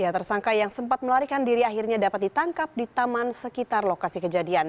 tersangka yang sempat melarikan diri akhirnya dapat ditangkap di taman sekitar lokasi kejadian